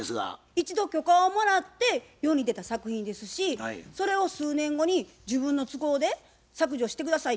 一度許可をもらって世に出た作品ですしそれを数年後に自分の都合で「削除して下さい」